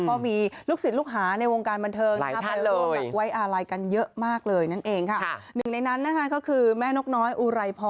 ก็มีลูกศิลป์ลูกหาในวงการบรรเทิงนะครับ